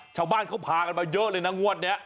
ชาวบ้านเขาพากันมาเยอะเลยนะงวดนี้